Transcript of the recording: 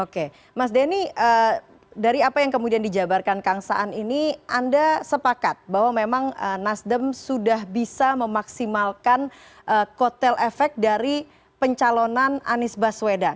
oke mas denny dari apa yang kemudian dijabarkan kang saan ini anda sepakat bahwa memang nasdem sudah bisa memaksimalkan kotel efek dari pencalonan anies baswedan